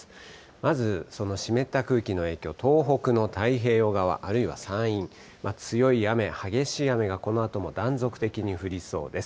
まずその湿った空気の影響、東北の太平洋側、あるいは山陰、強い雨、激しい雨がこのあとも断続的に降りそうです。